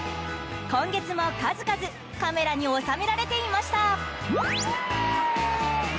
今月も数々カメラに収められていました。